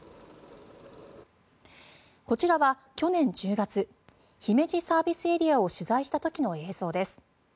こちらは去年１０月、姫路ＳＡを取材した時の映像です。